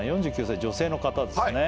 ４９歳女性の方ですね